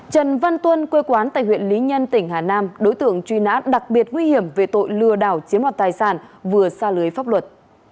trần văn tuân quê quán tại huyện lý nhân tỉnh hà nam đối tượng truy nã đặc biệt nguy hiểm về tội lừa đảo chiếm đoạt tài sản vừa xa lưới pháp luật